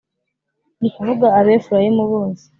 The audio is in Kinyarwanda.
Ni ukuvuga abefurayimu bose